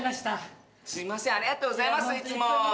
すいませんありがとうございますいつも。